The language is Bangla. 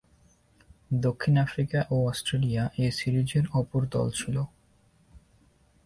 দক্ষিণ আফ্রিকা ও অস্ট্রেলিয়া এ সিরিজের অপর দল ছিল।